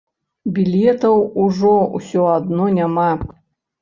Білетаў ужо ўсё адно няма.